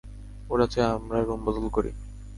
ওরা চায় আমরা রুম বদল করি।